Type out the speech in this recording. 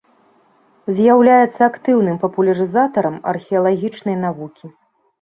З'яўляецца актыўным папулярызатарам археалагічнай навукі.